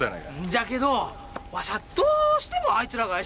じゃけどわしゃどうしてもあいつらが怪しいんじゃけぇのぅ。